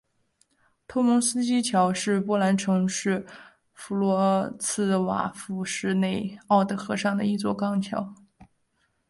图蒙斯基桥是波兰城市弗罗茨瓦夫市内奥德河上的一座钢桥。